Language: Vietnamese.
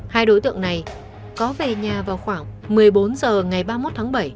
hai đối tượng này có về nhà vào khoảng một mươi bốn h ngày ba mươi một tháng bảy